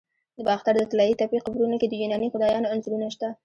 د باختر د طلایی تپې قبرونو کې د یوناني خدایانو انځورونه شته